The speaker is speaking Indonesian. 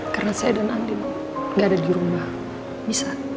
karena saya dan andien gak ada dirumah bisa